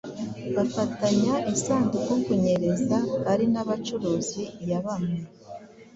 bafatanya isanduku kunyereza ari n’abacuruzi ya bamwe